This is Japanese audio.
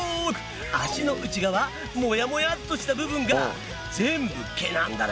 脚の内側モヤモヤっとした部分が全部毛なんだな。